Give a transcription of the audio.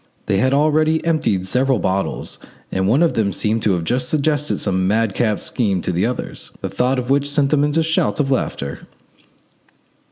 They had already emptied several bottles, and one of them seemed to have just suggested some madcap scheme to the others, the thought of which sent them off into shouts of laughter.